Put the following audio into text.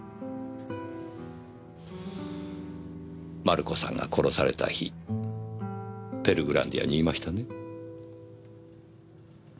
マルコさんが殺された日ペルグランディアにいましたね？